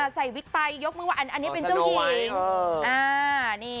วิกไปยกมือว่าอันนี้เป็นเจ้าหญิง